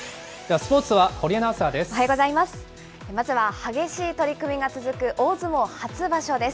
スポーツは堀アナウンサーです。